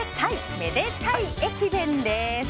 めでタイ駅弁！です。